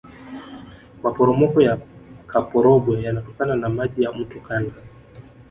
maporomoko ya kaporogwe yanatokana na maji ya mto kala